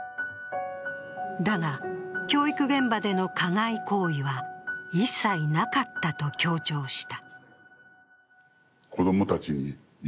だが、教育現場での加害行為は一切なかったと強調した。